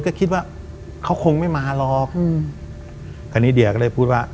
ก็คิดว่าเขาคงไม่มาหรอกอืมคราวนี้เดียก็เลยพูดว่า